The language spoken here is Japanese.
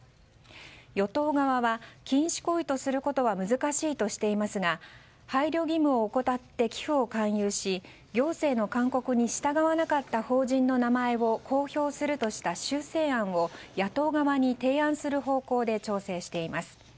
与党側は禁止行為とすることは難しいとしていますが配慮義務を怠って寄付を勧誘し行政の勧告に従わなかった法人の名前を公表するとした修正案を野党側に提案する方向で調整しています。